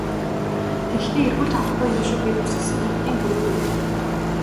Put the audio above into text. Тэгэхдээ эргүүлж авахгүй юм шүү гээд бүсэлсэн тавьтын төгрөг өгөв.